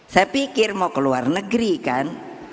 saya pikir mau keluar negeri kan